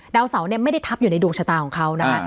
ดาวเสาเนี่ยไม่ได้ทับอยู่ในดวงชะตาของเขานะคะ